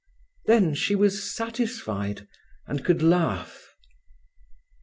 Then she was satisfied, and could laugh.